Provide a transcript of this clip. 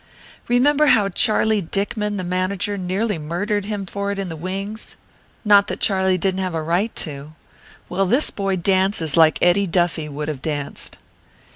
"Remember how Charlie Dickman, the manager, nearly murdered him for it in the wings? Not that Charlie didn't have a right to. Well, this boy dances like Eddie Duffy would have danced."